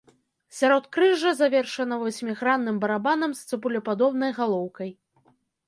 Сяродкрыжжа завершана васьмігранным барабанам з цыбулепадобнай галоўкай.